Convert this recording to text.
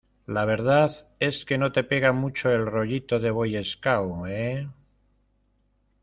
la verdad es que no te pega mucho el rollito de boy scout, ¿ eh?